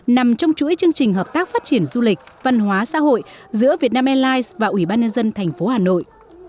nằm trong chuỗi chương trình hợp tác phát triển du lịch văn hóa xã hội giữa việt nam airlines và ủy ban nhân dân thành phố hà nội